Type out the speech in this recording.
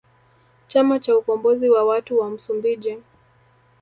Chama cha ukombozi wa watu wa Msumbiji